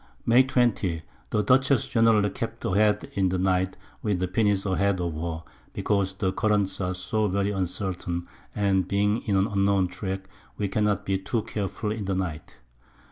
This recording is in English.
May 20. The Dutchess generally kept a head in the Night, with her Pinnace a head of her, because the Currents are so very uncertain, and being in an unknown Track, we cannot be too careful in the Night.